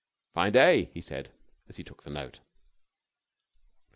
"Fine day," he said, as he took the note.